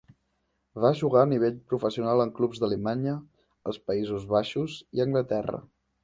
Va jugar a nivell professional en clubs d'Alemanya, els Països Baixos i Anglaterra.